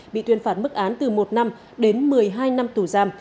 bị tuyên phạt mức án từ một năm đến một mươi hai năm tù giam